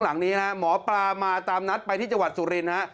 หลังนี้ฮะหมอปลามาตามนัดไปที่จังหวัดสุรินทร์ฮะ